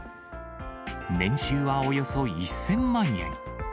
年収はおよそ１０００万円。